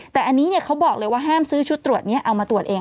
แต่อันนี้เขาบอกเลยว่าห้ามซื้อชุดตรวจนี้เอามาตรวจเอง